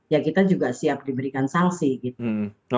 ya kita juga siap diberikan sanksi gitu